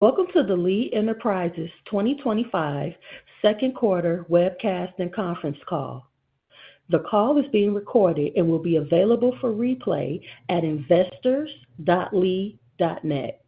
Welcome to the Lee Enterprises 2025 Second Quarter Webcast and Conference Call. The call is being recorded and will be available for replay at investors.lee.net.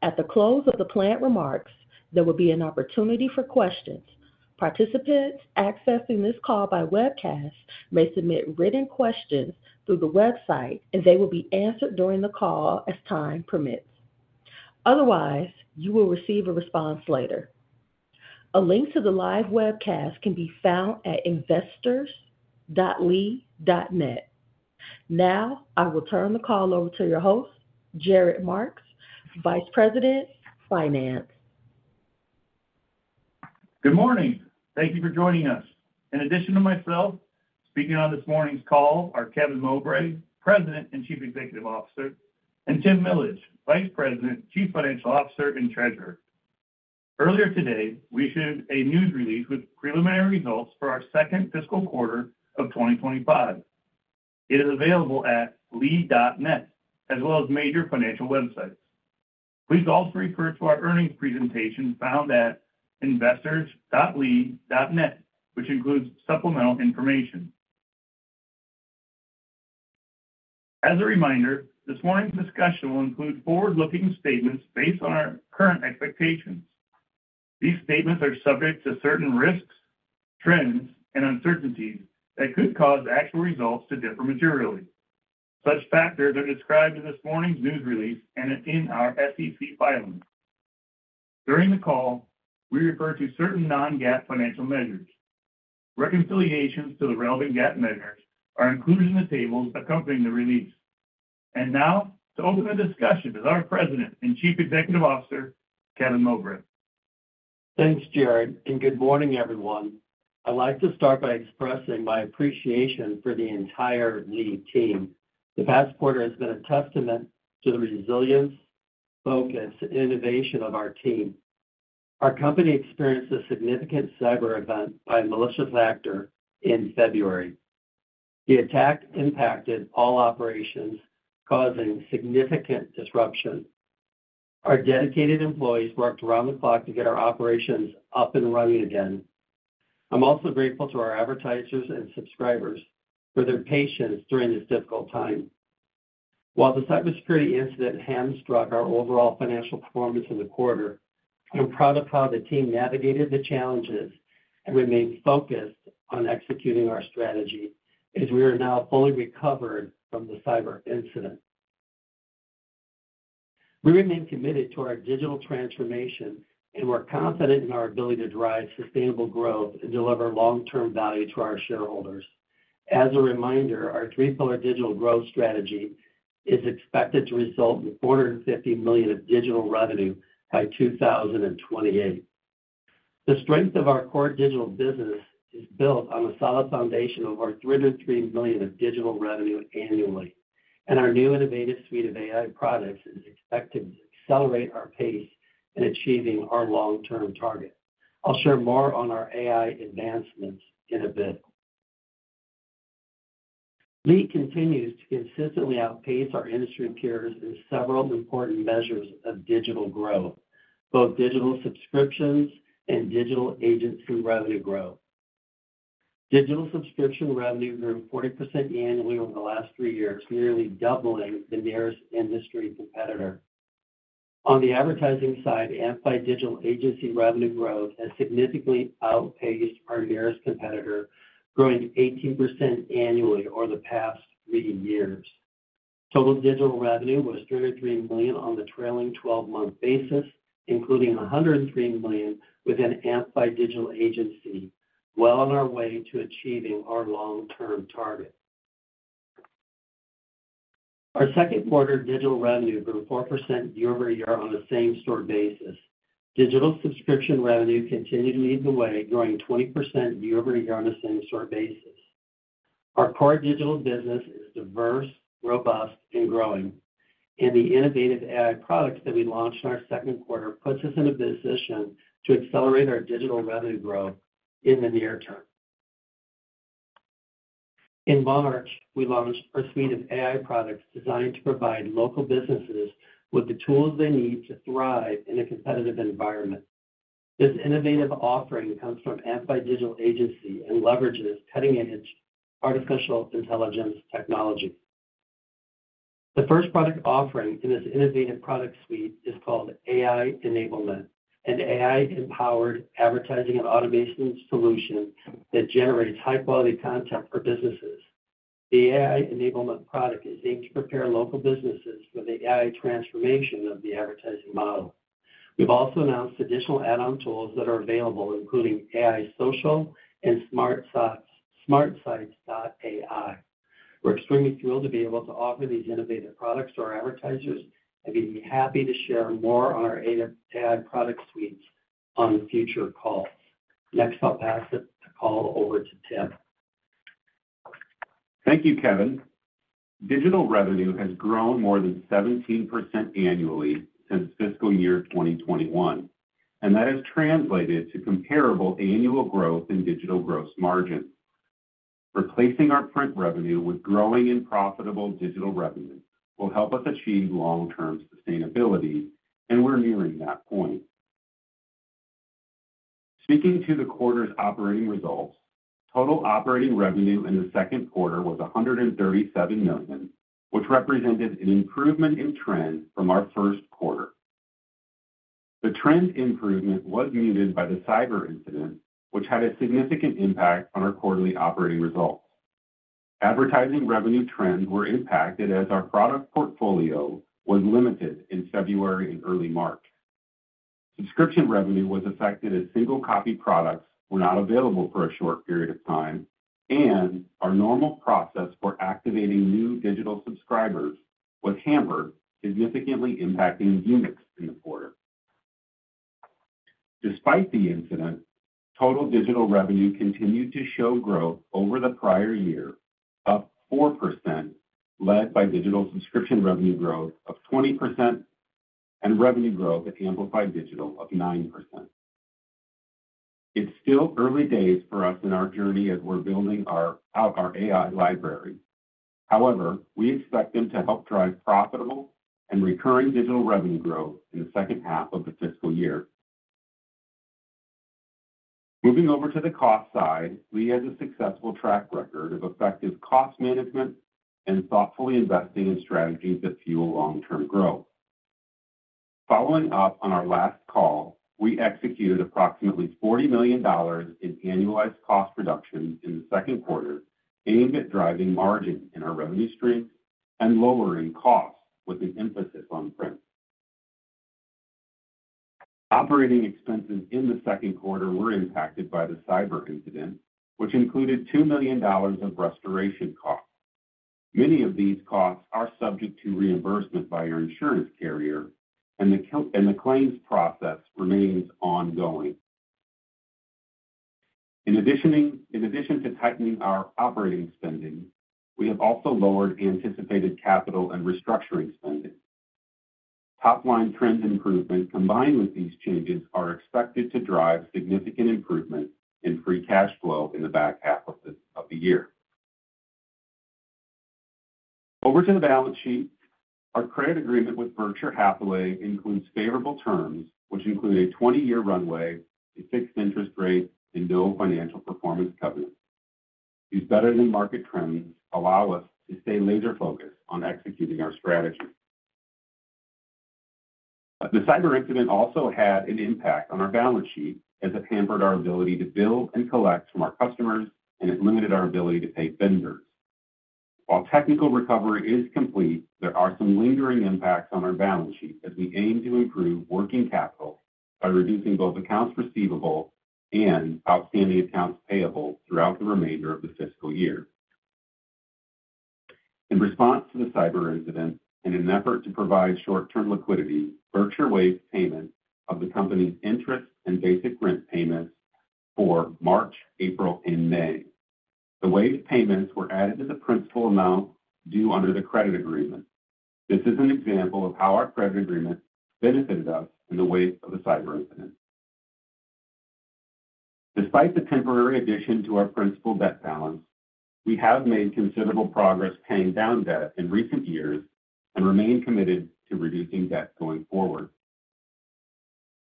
At the close of the planned remarks, there will be an opportunity for questions. Participants accessing this call by webcast may submit written questions through the website, and they will be answered during the call as time permits. Otherwise, you will receive a response later. A link to the live webcast can be found at investors.lee.net. Now, I will turn the call over to your host, Jared Marks, Vice President, Finance. Good morning. Thank you for joining us. In addition to myself, speaking on this morning's call are Kevin Mowbray, President and Chief Executive Officer, and Tim Millage, Vice President, Chief Financial Officer, and Treasurer. Earlier today, we issued a news release with preliminary results for our second fiscal quarter of 2025. It is available at lee.net as well as major financial websites. Please also refer to our earnings presentation found at investors.lee.net which includes supplemental information. As a reminder, this morning's discussion will include forward-looking statements based on our current expectations. These statements are subject to certain risks, trends, and uncertainties that could cause actual results to differ materially. Such factors are described in this morning's news release and in our SEC filings. During the call, we refer to certain non-GAAP financial measures. Reconciliations to the relevant GAAP measures are included in the tables accompanying the release. To open the discussion is our President and Chief Executive Officer, Kevin Mowbray. Thanks, Jared, and good morning, everyone. I'd like to start by expressing my appreciation for the entire Lee team. The past quarter has been a testament to the resilience, focus, and innovation of our team. Our company experienced a significant cyber incident by a malicious actor in February. The attack impacted all operations, causing significant disruption. Our dedicated employees worked around the clock to get our operations up and running again. I'm also grateful to our advertisers and subscribers for their patience during this difficult time. While the cyber incident hamstrung our overall financial performance in the quarter, I'm proud of how the team navigated the challenges and remained focused on executing our strategy as we are now fully recovered from the cyber incident. We remain committed to our digital transformation and we're confident in our ability to drive sustainable growth and deliver long-term value to our shareholders. As a reminder, our three-pillar digital growth strategy is expected to result in $450 million of digital revenue by 2028. The strength of our core digital business is built on a solid foundation of over $303 million of digital revenue annually, and our new innovative suite of AI products is expected to accelerate our pace in achieving our long-term target. I'll share more on our AI advancements in a bit. Lee continues to consistently outpace our industry peers in several important measures of digital growth, both digital subscriptions and digital agency revenue growth. Digital subscription revenue grew 40% annually over the last three years, nearly doubling the nearest industry competitor. On the advertising side, Amplified Digital Agency revenue growth has significantly outpaced our nearest competitor, growing 18% annually over the past three years. Total digital revenue was $33 million on the trailing 12-month basis, including $103 million with Amplified Digital Agency, well on our way to achieving our long-term target. Our second quarter digital revenue grew 4% year-over-year on a same-store basis. Digital subscription revenue continued to lead the way, growing 20% year-over-year on a same-store basis. Our core digital business is diverse, robust, and growing, and the innovative AI products that we launched in our second quarter put us in a position to accelerate our digital revenue growth in the near term. In March, we launched our suite of AI products designed to provide local businesses with the tools they need to thrive in a competitive environment. This innovative offering comes from Amplified Digital Agency and leverages cutting-edge artificial intelligence technology. The first product offering in this innovative product suite is called AI Enablement, an AI-empowered advertising and automation solution that generates high-quality content for businesses. The AI Enablement product is aimed to prepare local businesses for the AI transformation of the advertising model. We've also announced additional add-on tools that are available, including AI Social and SmartSites.ai. We're extremely thrilled to be able to offer these innovative products to our advertisers and be happy to share more on our AI product suites on future calls. Next, I'll pass the call over to Tim. Thank you, Kevin. Digital revenue has grown more than 17% annually since fiscal year 2021, and that has translated to comparable annual growth in digital gross margins. Replacing our print revenue with growing and profitable digital revenue will help us achieve long-term sustainability, and we're nearing that point. Speaking to the quarter's operating results, total operating revenue in the second quarter was $137 million, which represented an improvement in trend from our first quarter. The trend improvement was muted by the cyber incident, which had a significant impact on our quarterly operating results. Advertising revenue trends were impacted as our product portfolio was limited in February and early March. Subscription revenue was affected as single-copy products were not available for a short period of time, and our normal process for activating new digital subscribers was hampered, significantly impacting units in the quarter. Despite the incident, total digital revenue continued to show growth over the prior year, up 4%, led by digital subscription revenue growth of 20% and revenue growth with Amplified Digital of 9%. It's still early days for us in our journey as we're building out our AI Library. However, we expect them to help drive profitable and recurring digital revenue growth in the second half of the fiscal year. Moving over to the cost side, Lee has a successful track record of effective cost management and thoughtfully investing in strategies that fuel long-term growth. Following up on our last call, we executed approximately $40 million in annualized cost reductions in the second quarter, aimed at driving margin in our revenue streams and lowering costs with an emphasis on print. Operating expenses in the second quarter were impacted by the cyber incident, which included $2 million of restoration costs. Many of these costs are subject to reimbursement by your insurance carrier, and the claims process remains ongoing. In addition to tightening our operating spending, we have also lowered anticipated capital and restructuring spending. Top-line trend improvement combined with these changes are expected to drive significant improvement in free cash flow in the back half of the year. Over to the balance sheet. Our credit agreement with Berkshire Hathaway includes favorable terms, which include a 20-year runway, a fixed interest rate, and no financial performance covenants. These better-than-market trends allow us to stay laser-focused on executing our strategy. The cyber incident also had an impact on our balance sheet as it hampered our ability to bill and collect from our customers, and it limited our ability to pay vendors. While technical recovery is complete, there are some lingering impacts on our balance sheet as we aim to improve working capital by reducing both accounts receivable and outstanding accounts payable throughout the remainder of the fiscal year. In response to the cyber incident, in an effort to provide short-term liquidity, Berkshire waived payment of the company's interest and basic rent payments for March, April, and May. The waived payments were added to the principal amount due under the credit agreement. This is an example of how our credit agreement benefited us in the wake of the cyber incident. Despite the temporary addition to our principal debt balance, we have made considerable progress paying down debt in recent years and remain committed to reducing debt going forward.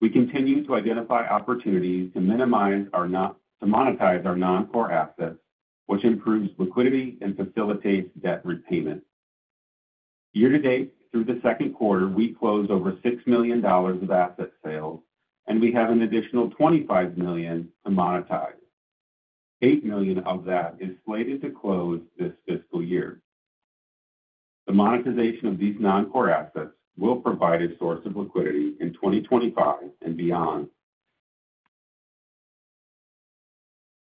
We continue to identify opportunities to monetize our non-core assets, which improves liquidity and facilitates debt repayment. Year-to-date, through the second quarter, we closed over $6 million of asset sales, and we have an additional $25 million to monetize. $8 million of that is slated to close this fiscal year. The monetization of these non-core assets will provide a source of liquidity in 2025 and beyond.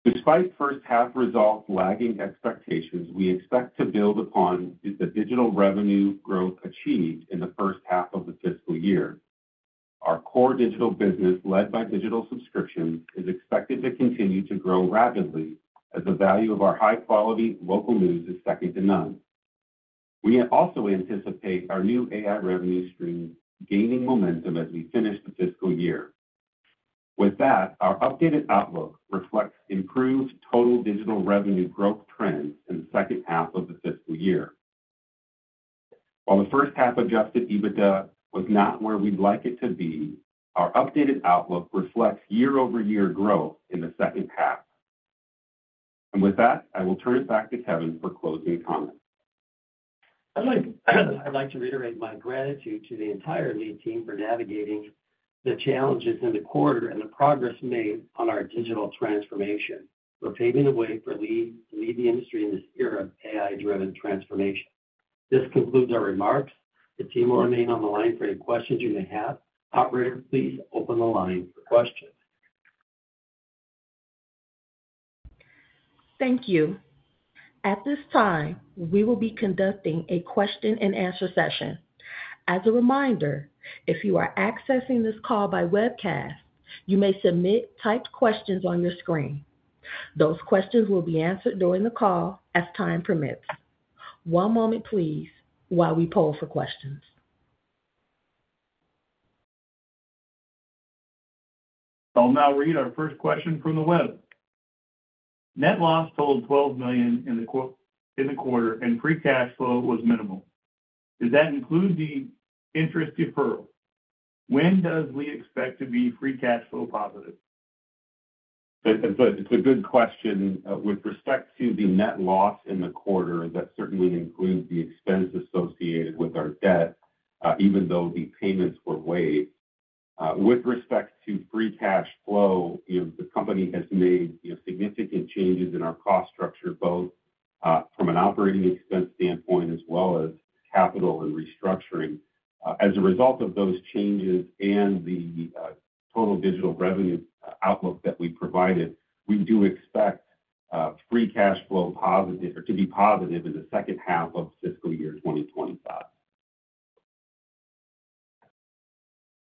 Despite first-half results lagging expectations, we expect to build upon the digital revenue growth achieved in the first half of the fiscal year. Our core digital business, led by digital subscriptions, is expected to continue to grow rapidly as the value of our high-quality local news is second to none. We also anticipate our new AI revenue stream gaining momentum as we finish the fiscal year. With that, our updated outlook reflects improved total digital revenue growth trends in the second half of the fiscal year. While the first-half adjusted EBITDA was not where we'd like it to be, our updated outlook reflects year-over-year growth in the second half. With that, I will turn it back to Kevin for closing comments. I'd like to reiterate my gratitude to the entire Lee team for navigating the challenges in the quarter and the progress made on our digital transformation. We're paving the way for Lee to lead the industry in this era of AI-driven transformation. This concludes our remarks. The team will remain on the line for any questions you may have. Operator, please open the line for questions. Thank you. At this time, we will be conducting a question-and-answer session. As a reminder, if you are accessing this call by webcast, you may submit typed questions on your screen. Those questions will be answered during the call as time permits. One moment, please, while we poll for questions. I'll now read our first question from the web. Net loss totaled $12 million in the quarter, and free cash flow was minimal. Does that include the interest deferral? When does Lee expect to be free cash flow positive? It's a good question. With respect to the net loss in the quarter, that certainly includes the expense associated with our debt, even though the payments were waived. With respect to free cash flow, the company has made significant changes in our cost structure, both from an operating expense standpoint as well as capital and restructuring. As a result of those changes and the total digital revenue outlook that we provided, we do expect free cash flow to be positive in the second half of fiscal year 2025.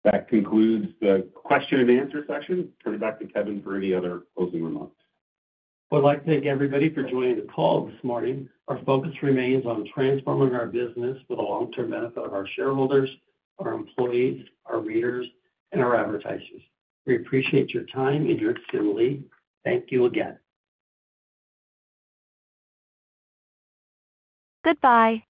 That concludes the question-and-answer session. Turn it back to Kevin for any other closing remarks. I'd like to thank everybody for joining the call this morning. Our focus remains on transforming our business for the long-term benefit of our shareholders, our employees, our readers, and our advertisers. We appreciate your time and your attendance. Thank you again. Goodbye.